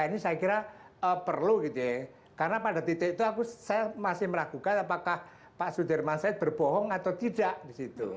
ini saya kira perlu gitu ya karena pada titik itu saya masih meragukan apakah pak sudirman said berbohong atau tidak di situ